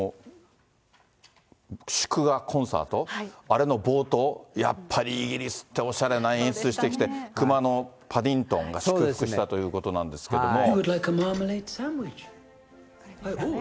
そんな中で、祝賀コンサート、あれの冒頭、やっぱりイギリスっておしゃれな演出してきた、くまのパディントンが祝福したということなんですけども。